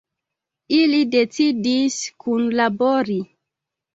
Ili decidis kunlabori.